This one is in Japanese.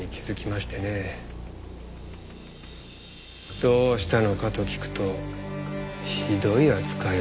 どうしたのかと聞くとひどい扱いを受けたという。